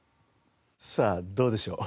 さあどうでしょう？